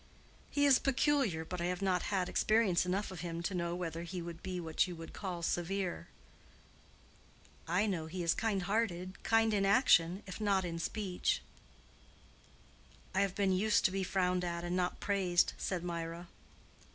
"He is peculiar, but I have not had experience enough of him to know whether he would be what you would call severe." "I know he is kind hearted—kind in action, if not in speech." "I have been used to be frowned at and not praised," said Mirah.